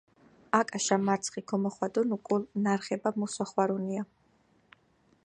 აკაშა მარცხი ქომოხვადუნ უკულ ნარღება მუს ოხვარუნია.